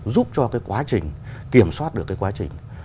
giúp cho quá trình kiểm soát được quá trình